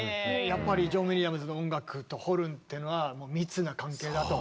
やっぱりジョン・ウィリアムズの音楽とホルンっていうのは密な関係だと？